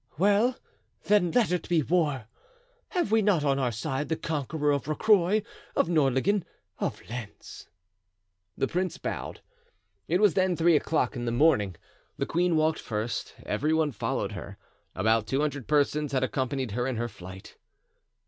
"Well, then, let it be war! Have we not on our side the conqueror of Rocroy, of Nordlingen, of Lens?" The prince bowed low. It was then three o'clock in the morning. The queen walked first, every one followed her. About two hundred persons had accompanied her in her flight.